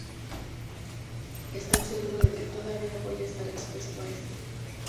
Estoy seguro de que todavía voy a estar expuesto a eso.